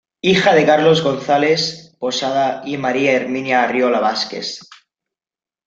Hija de Carlos Gonzáles Posada y María Herminia Arriola Vásquez.